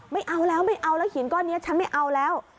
ไม่เอาแล้วไม่เอาแล้วหินก้อนนี้ฉันไม่เอาแล้ว